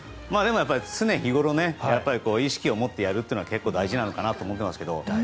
常日頃意識を持ってやるというのは結構、大事なのかなと思うんですけど。